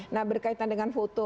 nah berkaitan dengan foto